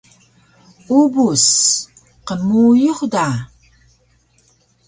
Ubus: Qmuyux da